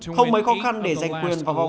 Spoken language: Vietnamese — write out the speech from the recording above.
không mấy khó khăn để giành quyền vào vòng ba